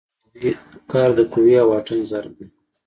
کار د قوې او واټن ضرب دی.